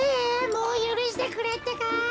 もうゆるしてくれってか。